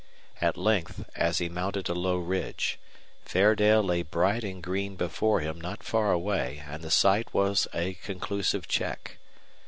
At length, as he mounted a low ridge, Fairdale lay bright and green before him not far away, and the sight was a conclusive check.